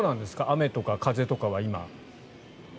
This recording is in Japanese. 雨とか風とかは、今。